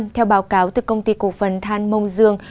theo báo cáo từ công ty cổ phần than mông dương